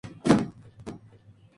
Pero pronto estalló la guerra mundial.